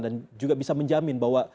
dan juga bisa menjamin bahwa